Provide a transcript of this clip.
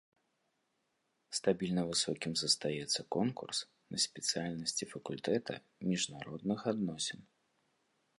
Стабільна высокім застаецца конкурс на спецыяльнасці факультэта міжнародных адносін.